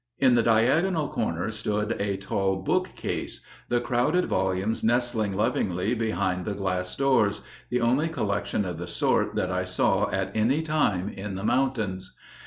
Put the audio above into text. In the diagonal corner stood a tall bookcase, the crowded volumes nestling lovingly behind the glass doors the only collection of the sort that I saw at any time in the mountains.